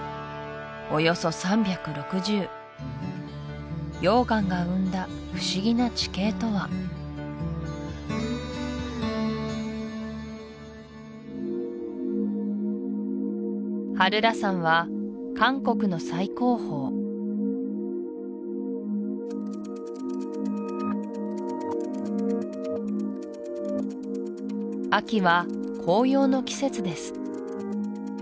およそ３６０溶岩が生んだ不思議な地形とは漢拏山は韓国の最高峰秋は紅葉の季節です